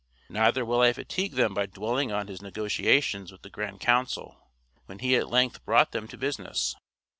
Neither will I fatigue them by dwelling on his negotiations with the grand council, when he at length brought them to business.